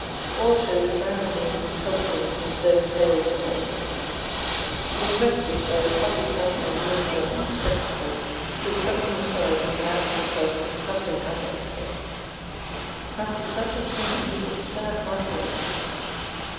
All showed embarrassing helpfulness in stowing sails, etc. We were rescued by a fussy person in uniform and spectacles, who swept them aside and announced himself as the Custom house officer (fancy such a thing in this absurd mud hole!)